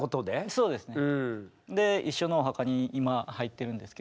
そうですね。